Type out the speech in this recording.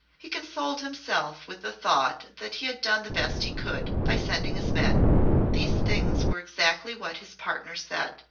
He consoled himself with the thought that he had done the best he could, by sending his men. These things were exactly what his partner said.